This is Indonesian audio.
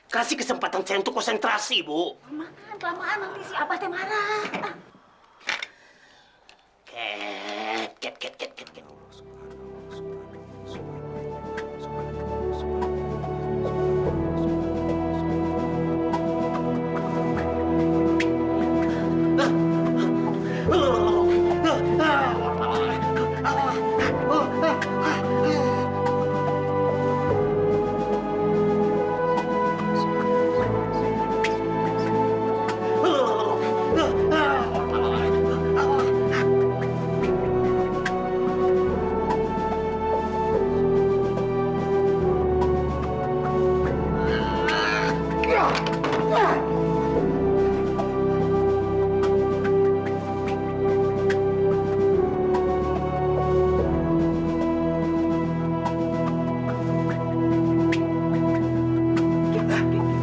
kasih kesempatan centuq kusenta kapan pasti bekerja sama tan skrubus